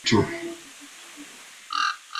tano kati ya tano ya siku zimechezwa bila kitu